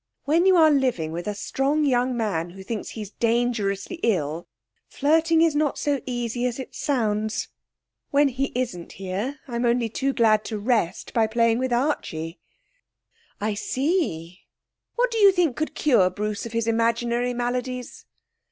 When you are living with a strong young man who thinks he's dangerously ill, flirting is not so easy as it sounds. When he isn't here I'm only too glad to rest by playing with Archie.' 'I see. What do you think could cure Bruce of his imaginary maladies?'